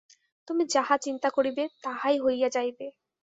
তুমি যাহা চিন্তা করিবে, তাহাই হইয়া যাইবে।